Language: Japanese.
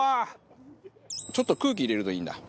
ちょっと空気入れるといいんだ。